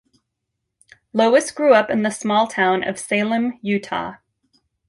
Lois grew up in the small town of Salem, Utah.